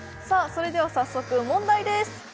それでは早速問題です